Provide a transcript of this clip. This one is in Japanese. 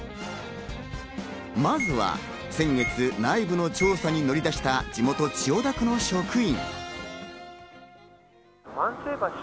まずは先月、内部の調査に乗り出した地元千代田区の職員。